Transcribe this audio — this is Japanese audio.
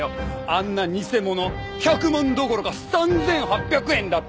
あんな偽物１００万どころか３８００円だったじゃねえか！